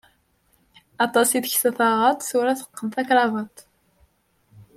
Aṭas i teksa taɣaṭ, tura teqqen takrabaṭ.